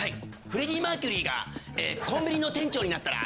フレディ・マーキュリーがコンビニの店長になったら。